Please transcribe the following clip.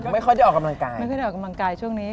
ไม่ค่อยได้ออกกำลังกายไม่ค่อยได้ออกกำลังกายช่วงนี้